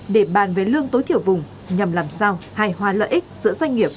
để bàn về lương tối thiểu vùng nhằm làm sao hài hòa lợi ích giữa doanh nghiệp